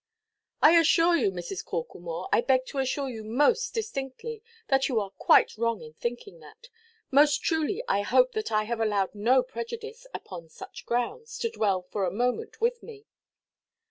"I assure you, Mrs. Corklemore, I beg to assure you most distinctly, that you are quite wrong in thinking that. Most truly I hope that I have allowed no prejudice, upon such grounds, to dwell for a moment with me."